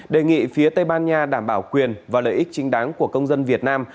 đề nghị phía tây ban nha đảm bảo quyền và lợi ích chính đáng của công dân việt nam